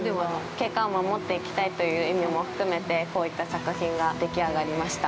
景観を守っていきたいという意味も含めて、こういった作品ができ上がりました。